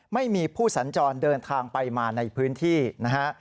ไม่มีผู้สัญจรเดินทางไปมาในพื้นที่นะฮะ